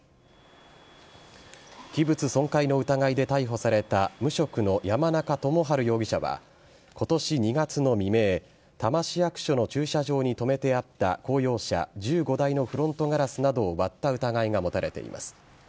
器物損壊の疑いで逮捕された無職の山中共治容疑者は今年２月の未明多摩市役所の駐車場に止めてあった公用車１５台のフロントガラスなどを割った疑いが持たれています。